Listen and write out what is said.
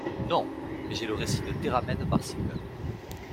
Non ! mais j'ai le récit de Théramène par Silvain.